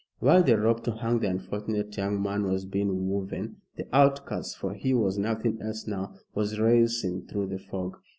While the rope to hang the unfortunate young man was being woven, the outcast for he was nothing else now was racing through the fog.